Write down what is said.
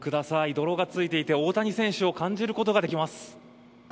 泥がついていて大谷選手を感じることができます。